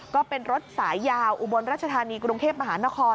ก็เป็นรถสายยาวอุบลรัชธานีกรุงเทพมหานคร